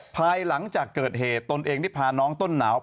ภายหลังจากเกิดเหตุตนเองได้พาน้องต้นหนาว